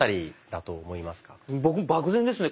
僕漠然ですね